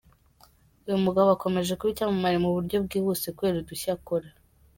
Uyu mugabo akomeje kuba icyamamare mu buryo bwihuse kubera udushya akora.